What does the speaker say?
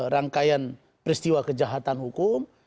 rangkaian peristiwa kejahatan hukum